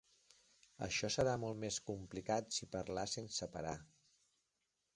Això serà molt més complicat si parlar sense parar.